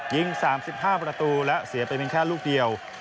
ยิง๓๕ประตูและเสียไปเพียงแค่ลูกเดียว